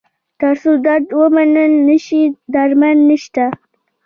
تر څو درد ومنل نه شي، درمل نشته.